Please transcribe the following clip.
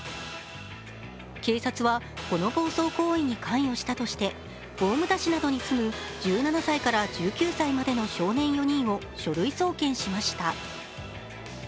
警察はこの暴走行為に関与したとして大牟田市などに住む１７歳から１９歳までの少年４人を書類送検しました。